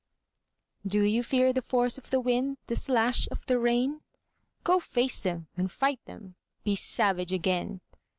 DO you fear the force of the wind, The slash of the rain? Go face them and fight them, Be savage again.